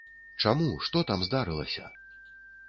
Чаму, што там здарылася?